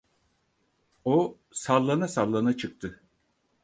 O, sallana sallana çıktı.